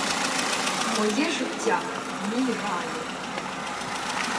Моє життя, мій раю!